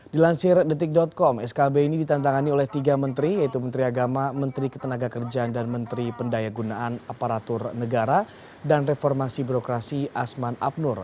dilansir detik com skb ini ditantangani oleh tiga menteri yaitu menteri agama menteri ketenaga kerjaan dan menteri pendaya gunaan aparatur negara dan reformasi birokrasi asman abnur